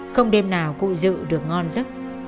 không đêm nào cụ dự được ngon giấc